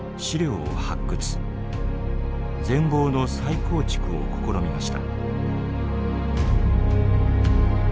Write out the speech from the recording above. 全貌の再構築を試みました。